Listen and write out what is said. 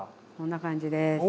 こんな感じです。